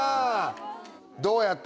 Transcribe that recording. どうやった？